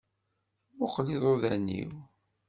Muqel iḍuḍan-iw.